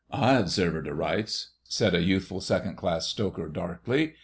"I'd serve 'er to rights," said a youthful Second Class Stoker darkly.